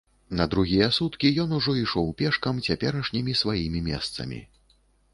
На другія суткі ён ужо ішоў пешкам цяперашнімі сваімі месцамі.